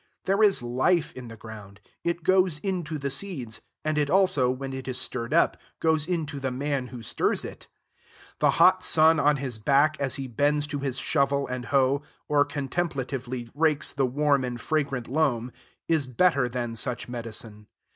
There is life in the ground; it goes into the seeds; and it also, when it is stirred up, goes into the man who stirs it. The hot sun on his back as he bends to his shovel and hoe, or contemplatively rakes the warm and fragrant loam, is better than much medicine.